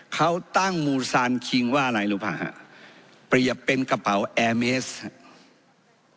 เขาตั้งมูซานคิงว่าอะไรรู้ป่ะฮะเปรียบเป็นกระเป๋าแอร์เมสครับ